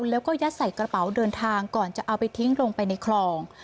แล้วก็ยัดใส่กระเป๋าเดินทางก่อนจะเอาไปทิ้งลงไปในคลอง